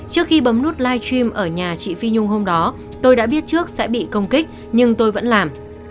trước khi bấm nút live stream ở nhà chị phi nhung hôm đó tôi đã biết trước sẽ bị công kích nhưng tôi vẫn làm